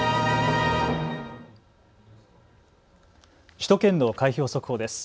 首都圏の開票速報です。